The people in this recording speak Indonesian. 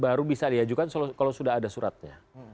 baru bisa diajukan kalau sudah ada suratnya